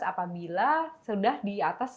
apabila sudah di atas